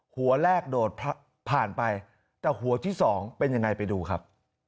หัวแรกโดดผ่านไปแต่หัวที่สองเป็นยังไงไปดูครับ